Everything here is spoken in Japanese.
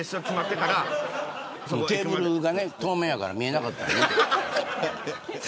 テーブルがね、透明やから見えなかったよね。